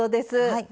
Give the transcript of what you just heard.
はい。